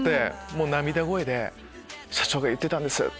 涙声で社長が言ってたんです」。